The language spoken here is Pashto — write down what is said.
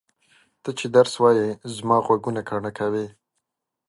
ته چې درس وایې زما غوږونه کاڼه کوې!